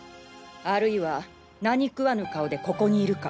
あるいは何食わぬ顔でここにいるか。